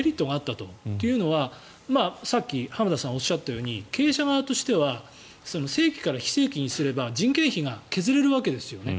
というのは、さっき浜田さんがおっしゃったように経営者側としては正規から非正規にすれば人件費が削れるわけですよね。